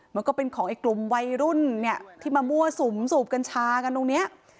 มันก็เป็นของไอ้กลุ่มวัยรุ่นเนี่ยที่มามั่วสุมสูบกัญชากันตรงนี้